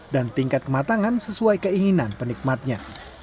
dan tingkat kematangan sesuai keinginan penikmatnya